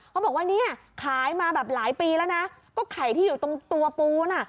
เขาบอกว่าเนี่ยขายมาแบบหลายปีแล้วนะก็ไข่ที่อยู่ตรงตัวปูน่ะ